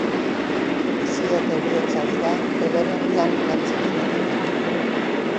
Bizia eta heriotza dira eleberrian lantzen diren gaiak.